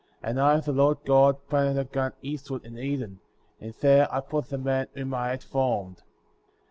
And I, the Lord God, planted a garden east ward in Eden,^ and there I put the man whom I had formed.